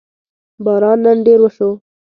باران نن ډېر وشو